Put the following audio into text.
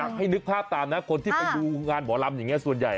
ให้นึกภาพตามนะคนที่ไปดูงานหมอลำอย่างนี้ส่วนใหญ่